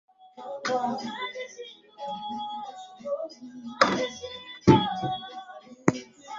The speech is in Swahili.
Damu ya yesu imeshinda mauti yote.